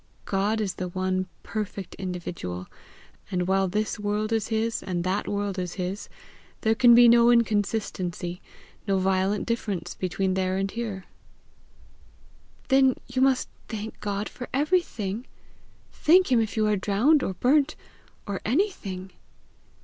God is the one perfect individual; and while this world is his and that world is his, there can be no inconsistency, no violent difference, between there and here." "Then you must thank God for everything thank him if you are drowned, or burnt, or anything!"